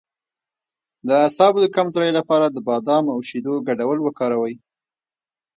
د اعصابو د کمزوری لپاره د بادام او شیدو ګډول وکاروئ